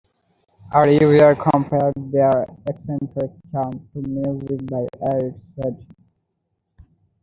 A reviewer compared their "eccentric charm" to music by Erik Satie.